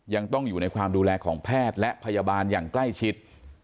ยังต้องอยู่ในความดูแลของแพทย์และพยาบาลอย่างใกล้ชิด